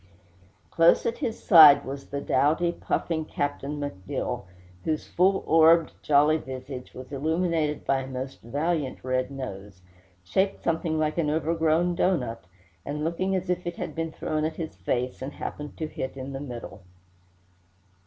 Close at his side was the doughty, puffing Captain McDill, whose full orbed, jolly visage was illuminated by a most valiant red nose, shaped something like an overgrown doughnut, and looking as if it had been thrown at his face, and happened to hit in the middle.